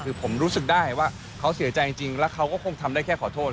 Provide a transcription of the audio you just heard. คือผมรู้สึกได้ว่าเขาเสียใจจริงแล้วเขาก็คงทำได้แค่ขอโทษ